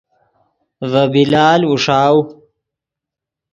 ڤے بلال اوݰاؤ